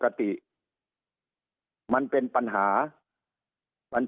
สุดท้ายก็ต้านไม่อยู่